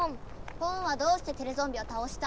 ポンはどうしてテレゾンビをたおしたい？